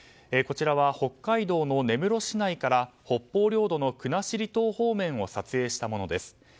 こちらは北海道の根室市内から北方領土の国後島方面を撮影したものです。